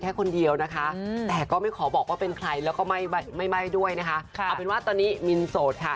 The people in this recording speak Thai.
แค่คนเดียวนะคะแต่ก็ไม่ขอบอกว่าเป็นใครแล้วก็ไม่ไม่ด้วยนะคะเอาเป็นว่าตอนนี้มินโสดค่ะ